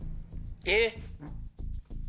えっ？